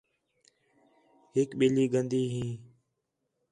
ہِک ٻِلّھی گندی ہیں